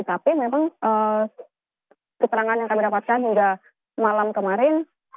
tapi memang keterangan yang kami dapatkan hingga malam kemarin